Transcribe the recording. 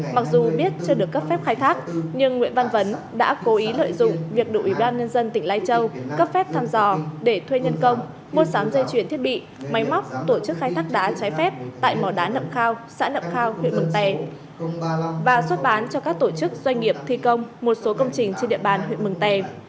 mặc dù biết chưa được cấp phép khai thác nhưng nguyễn văn vấn đã cố ý lợi dụng việc đủ ủy ban nhân dân tỉnh lai châu cấp phép thăm dò để thuê nhân công mua sắm dây chuyển thiết bị máy móc tổ chức khai thác đá trái phép tại mỏ đá nậm khao xã nậm khao huyện mường tè và xuất bán cho các tổ chức doanh nghiệp thi công một số công trình trên địa bàn huyện mường tè